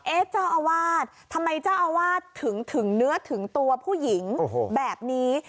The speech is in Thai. เจ้าอาวาสทำไมเจ้าอาวาสถึงถึงเนื้อถึงตัวผู้หญิงแบบนี้